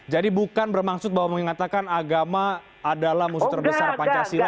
jadi bukan bermaksud bahwa mengatakan agama adalah musuh terbesar pancasila